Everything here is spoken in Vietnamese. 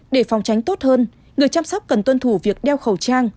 để phòng tránh tốt hơn người chăm sóc cần tuân thủ việc đeo khẩu trang